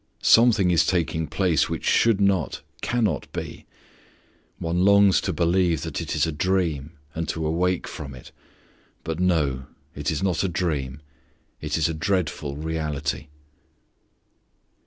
Something is taking place which should not, cannot be; one longs to believe that it is a dream and to awake from it. But no, it is not a dream, it is a dreadful reality!